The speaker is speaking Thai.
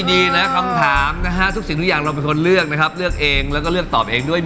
ดีนะคำถามนะคะละครับทุกอย่างพี่เรียกและตอบเองด้วย